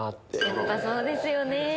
やっぱりそうですよね。